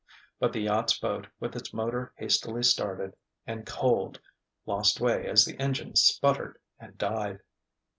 But the yacht's boat, with its motor hastily started, and cold—lost way as the engine sputtered and died!